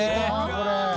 これ。